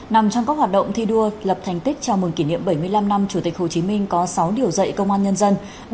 nằm trong các hoạt động thi đua lập thành tích chào mừng kỷ niệm bảy mươi năm năm chủ tịch hồ chí minh có sáu điều dạy công an nhân dân